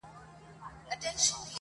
د ژوندون ساه د ژوند وږمه ماته كړه.